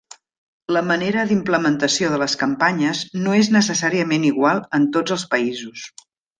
La manera d'implementació de les campanyes no és necessàriament igual en tots els països.